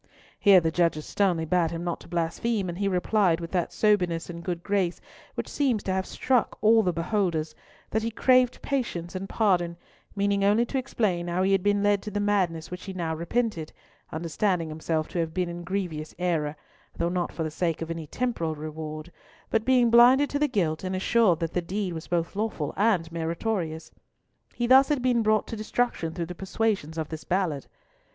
Here the judges sternly bade him not to blaspheme, and he replied, with that "soberness and good grace" which seems to have struck all the beholders, that he craved patience and pardon, meaning only to explain how he had been led to the madness which he now repented, understanding himself to have been in grievous error, though not for the sake of any temporal reward; but being blinded to the guilt, and assured that the deed was both lawful and meritorious. He thus had been brought to destruction through the persuasions of this Ballard.